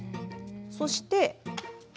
そして。